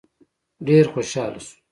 ډېر خوشحاله شو.